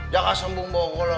jangan sembung bawa gue lho